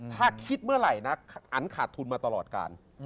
ถ้าคิดเมื่อไหร่นะอันขาดทุนมาตลอดการ